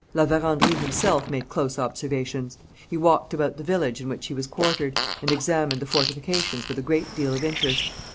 La Vérendrye himself made close observations. He walked about the village in which he was quartered, and examined the fortifications with a great deal of interest.